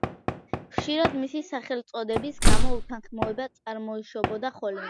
ხშირად მისი სახელწოდების გამო უთანხმოება წარმოიშობოდა ხოლმე.